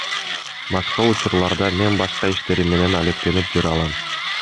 Башка учурларда мен башка иштерим менен алектенип жүрө алам.